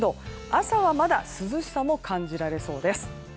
朝はまだ涼しさも感じられそうです。